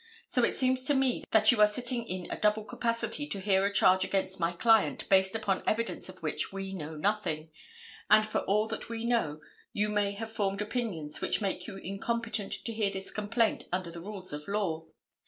So it seems to me that you are sitting in a double capacity to hear a charge against my client based upon evidence of which we know nothing, and for all that we know you may have formed opinions which make you incompetent to hear this complaint under the rules of law.